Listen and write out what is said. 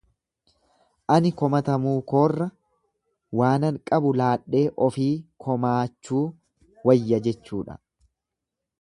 Ani komatamuu koorra waanan qabu laadhee ofii komaachuu wayya jechuudha.